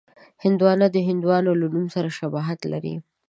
هندوانه د هندوانو له نوم سره شباهت لري.